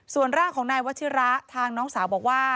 ส่วนร่างของนายวัชิระทางน้องสาวบอกว่า